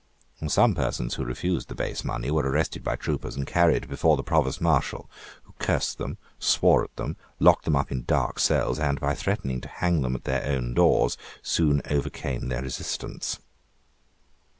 Some persons who refused the base money were arrested by troopers and carried before the Provost Marshal, who cursed them, swore at them, locked them up in dark cells, and, by threatening to hang them at their own doors, soon overcame their resistance.